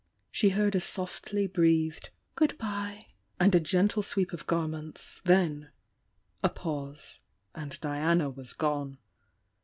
She heard a softly breathed "Good bye!" and a gentle sweep of garments, then — a pause, and Diana was gone.